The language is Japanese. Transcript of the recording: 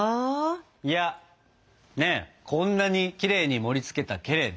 いやこんなにきれいに盛りつけたけれども。